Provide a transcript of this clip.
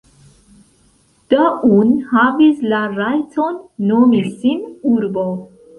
Daun havis la rajton nomi sin urbo.